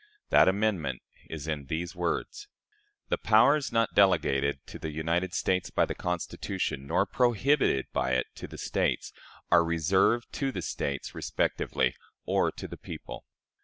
That amendment is in these words: "The powers not delegated to the United States by the Constitution nor prohibited by it to the States are reserved to the States respectively, or to the people."